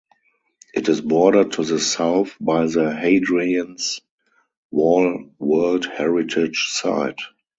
It is bordered to the south by the Hadrian’s Wall World Heritage Site.